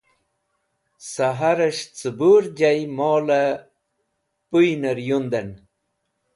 Saharẽs̃h cẽbur jay molẽ pũynẽr yundẽn.